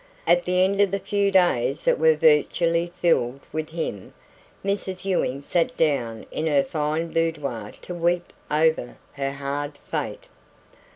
At the end of the few days that were virtually filled with him, Mrs Ewing sat down in her fine boudoir to weep over her hard fate.